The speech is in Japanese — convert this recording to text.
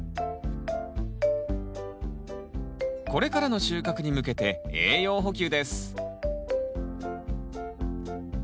これからの収穫に向けて栄養補給です